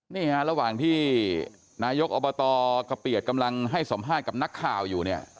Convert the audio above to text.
นี่ฮะระหว่างที่นายกอบตกะเปียดกำลังให้สัมภาษณ์กับนักข่าวอยู่เนี่ย